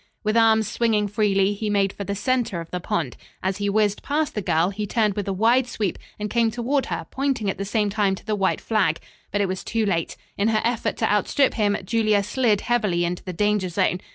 With arms swinging freely, he made for the center of the pond. As he whizzed past the girl, he turned with a wide sweep and came toward her, pointing at the same time to the white flag. But it was too late. In her effort to outstrip him, Julia slid heavily into the danger zone.